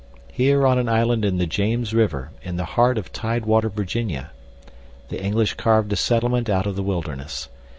Here on an island in the James River in the heart of tidewater Virginia the English carved a settlement out of the wilderness.